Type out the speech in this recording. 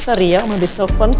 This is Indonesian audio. sorry ya mau habis telepon